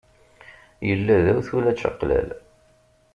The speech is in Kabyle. Yella d awtul ačeqlal.